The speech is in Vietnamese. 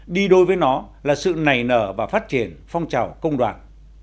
đi đôi với nó là sự nảy nở và phát triển phong trào công đoàn